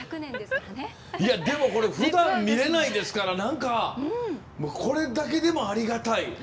でも、ふだん見れないですからこれだけでもありがたい。